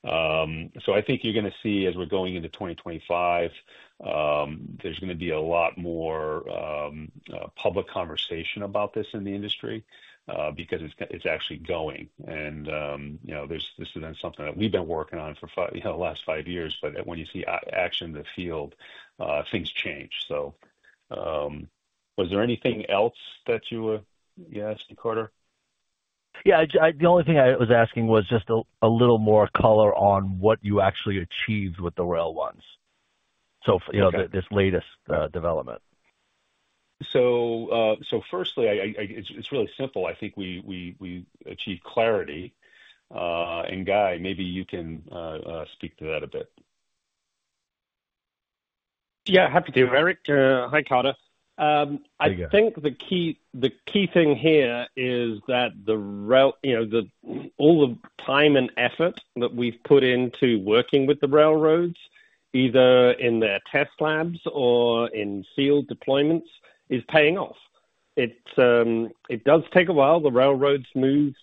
I think you're going to see as we're going into 2025, there's going to be a lot more public conversation about this in the industry because it's actually going. And this has been something that we've been working on for the last five years. But when you see action in the field, things change. So was there anything else that you would ask, Carter? Yeah. The only thing I was asking was just a little more color on what you actually achieved with the rail ones. So this latest development. So firstly, it's really simple. I think we achieved clarity. And Guy, maybe you can speak to that a bit. Yeah. Happy to. Hi, Carter. I think the key thing here is that all the time and effort that we've put into working with the railroads, either in their test labs or in field deployments, is paying off. It does take a while. The railroads move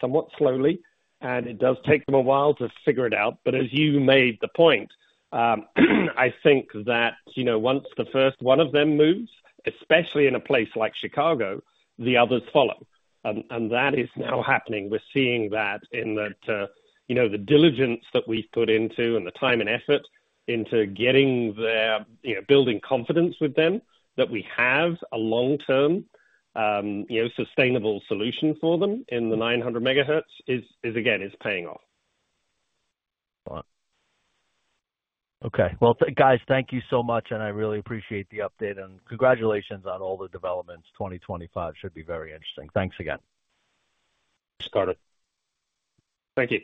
somewhat slowly, and it does take them a while to figure it out. But as you made the point, I think that once the first one of them moves, especially in a place like Chicago, the others follow. And that is now happening. We're seeing that in the diligence that we've put into and the time and effort into building confidence with them that we have a long-term sustainable solution for them in the 900 MHz is, again, paying off. Okay, well, guys, thank you so much, and I really appreciate the update, and congratulations on all the developments. 2025 should be very interesting. Thanks again. Thanks, Carter. Thank you.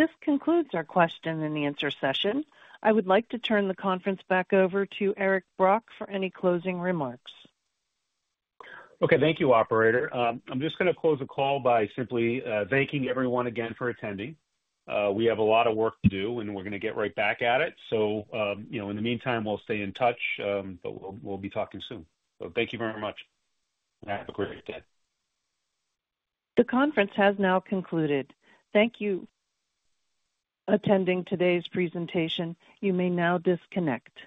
This concludes our question and answer session. I would like to turn the conference back over to Eric Brock for any closing remarks. Okay. Thank you, Operator. I'm just going to close the call by simply thanking everyone again for attending. We have a lot of work to do, and we're going to get right back at it. So in the meantime, we'll stay in touch, but we'll be talking soon. So thank you very much. Have a great day. The conference has now concluded. Thank you for attending today's presentation. You may now disconnect.